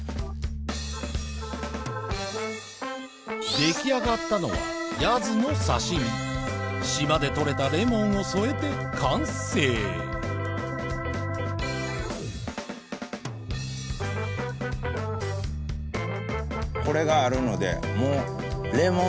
出来上がったのはヤズの刺身島でとれたレモンを添えて完成これがあるので。